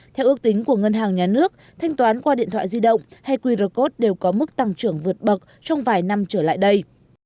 theo ước tính của ngân hàng nhà nước thanh toán qua điện thoại di động hay qr code đều có mức tăng trưởng vượt bậc trong vài năm trở lại đây